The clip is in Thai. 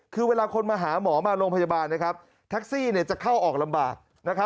คือเวลาคนมาหาหมอมาโรงพยาบาลแท็กซี่จะเข้าออกลำบาก